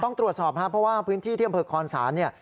ต้องตรวจสอบครับเพราะว่าพื้นที่ที่อำเภอคอนศาลเนี่ย